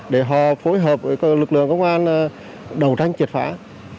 để họ phối hợp với lực lượng công an đầu tranh triệt phá